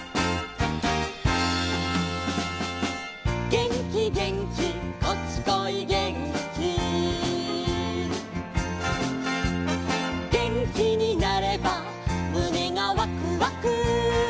「げんきげんきこっちこいげんき」「げんきになればむねがワクワク」